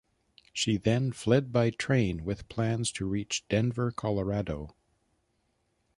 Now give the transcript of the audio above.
She then fled by train with plans to reach Denver, Colorado.